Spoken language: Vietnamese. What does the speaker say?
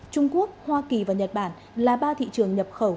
trung quốc hoa kỳ và nhật bản là ba thị trường nhập khẩu